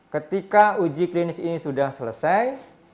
ketika uji klinis ini sudah selesai